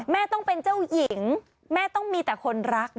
แม่ต้องเป็นเจ้าหญิงแม่ต้องมีแต่คนรัก